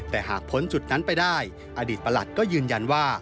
แต่หากพ้นจุดนั้นไปได้อดีตประหลัดก็ยืนยันว่า